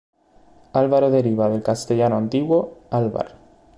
Álvaro deriva del castellano antiguo Álvar.